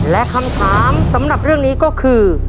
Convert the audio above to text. และคำถามสำหรับเรื่องนี้ก็คือ